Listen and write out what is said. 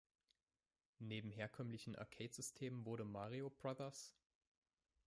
Neben herkömmlichen Arcade-Systemen wurde Mario Bros.